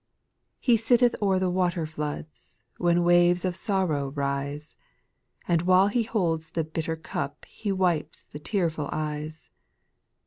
3. He sitteth o'er the waterfloods. When waves of sorrow rise ; And while He. holds the bitter cup He wipes the tearful eyes.